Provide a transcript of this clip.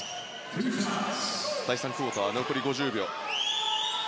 第３クオーター残り５０秒。